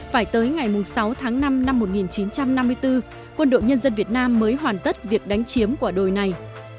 phải tới ngày sáu tháng năm năm một nghìn chín trăm năm mươi bốn quân đội nhân dân việt nam mới hoàn tất việc đánh chiếm quả đồi này